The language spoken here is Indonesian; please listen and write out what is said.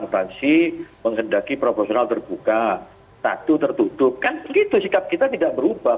menghendaki proporsional terbuka satu tertutup kan begitu sikap kita tidak berubah